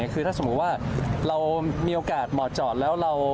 คือถ้าสมมุติว่าเรามีโอกาสเหมาะจอดแล้ว